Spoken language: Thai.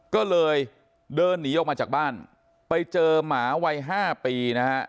ก็เลยเดินหนีออกมาจากบ้านไปเจอหมาวัย๕ปีนะฮะ